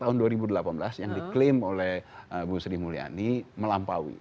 tahun dua ribu delapan belas yang diklaim oleh bu sri mulyani melampaui